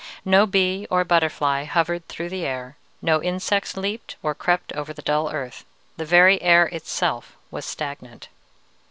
No bee or butterfly hovered through the air, no insects leaped or crept over the dull earth. The very air itself was stagnant.